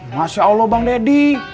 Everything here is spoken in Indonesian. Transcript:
masya allah bang daddy